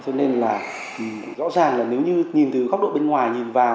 cho nên là rõ ràng là nếu như nhìn từ góc độ bên ngoài nhìn vào